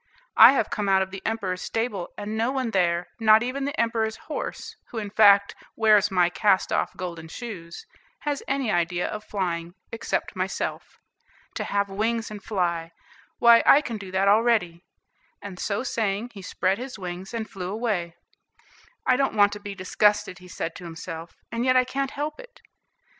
I have come out of the Emperor's stable, and no one there, not even the Emperor's horse, who, in fact, wears my cast off golden shoes, has any idea of flying, excepting myself. To have wings and fly! why, I can do that already;" and so saying, he spread his wings and flew away. "I don't want to be disgusted," he said to himself, "and yet I can't help it."